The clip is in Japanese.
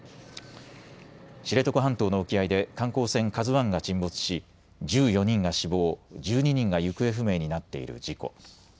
知床半島の沖合で観光船ＫＡＺＵＩが沈没し１４人が死亡、１２人が行方不明になっている事故。